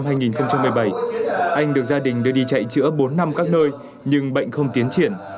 anh được gia đình đưa đi chạy chữa bốn năm các nơi nhưng bệnh không tiến triển